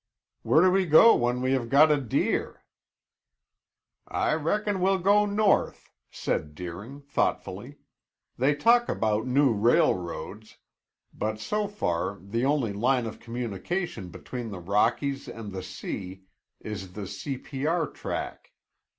"Where do we go when we have got a deer?" "I reckon we'll go north," said Deering thoughtfully. "They talk about new railroads, but so far the only line of communication between the Rockies and the sea is the C. P. R. track.